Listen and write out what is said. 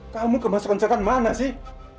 kamu kemasukan cerah mana sih